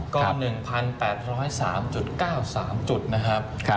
ก็๑๘๐๓๙๓จุดนะครับ